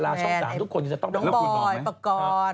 นางบ่อยปากกร